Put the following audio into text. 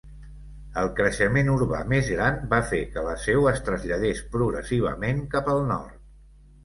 El creixement urbà més gran va fer que la seu es traslladés progressivament cap al nord.